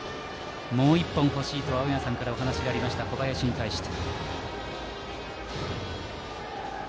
もう１本欲しいと青山さんからお話がありました小林に対して。